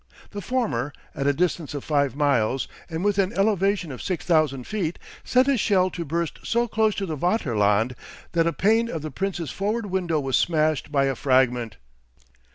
The former, at a distance of five miles, and with an elevation of six thousand feet, sent a shell to burst so close to the Vaterland that a pane of the Prince's forward window was smashed by a fragment.